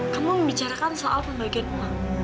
kamu membicarakan soal pembagian uang